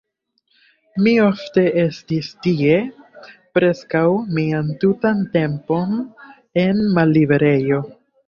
Mi ofte estis tie, preskaŭ mian tutan tempon en malliberejo.